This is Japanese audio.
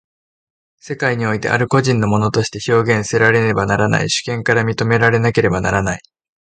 世界においてある個人の物として表現せられねばならない、主権から認められなければならない。